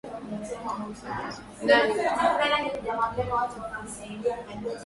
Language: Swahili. Hata hivyo wakosoaji wa tamko hilo walisema kwamba